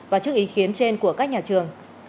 và trước ý khiến trên của các nhà trường